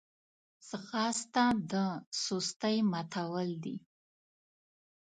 ځغاسته د سستۍ ماتول دي